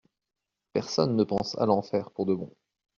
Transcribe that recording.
Personne ne pense à l'enfer pour de bon.